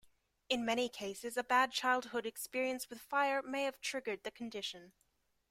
In many cases a bad childhood experience with fire may have triggered the condition.